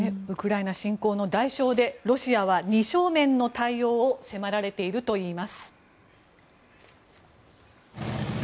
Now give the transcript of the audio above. ウクライナ侵攻の代償でロシアは二正面の対応を迫られているといいます。